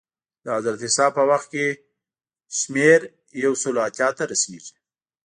د حضرت عیسی په وخت کې شمېر یو سوه اتیا ته رسېږي